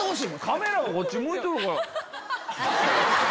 カメラがこっち向いとるから。